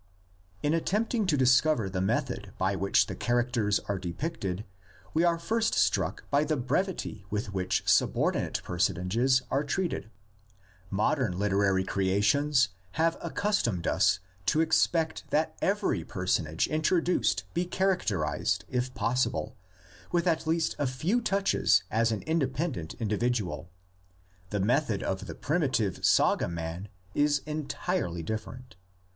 In attempting to discover the method by which characters are depicted we are first struck by the brevity with which subordinate personages are treated. Modern literary creations have accus tomed us to expect that every personage introduced be characterised if possible with at least a few touches as an Independent individual. The method of the primitive saga man is entirely different.